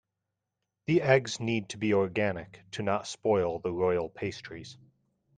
The eggs need to be organic to not spoil the royal pastries.